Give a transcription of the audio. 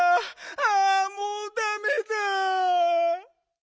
ああもうダメだ。